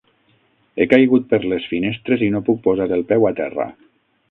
He caigut per les finestres i no puc posar el peu a terra.